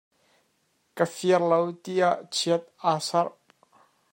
Ka fir lo, tiah chiat a ser.